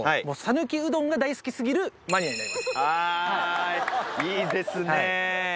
讃岐うどんが大好きすぎるマニアになりますいいですね